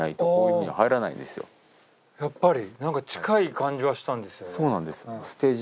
やっぱり。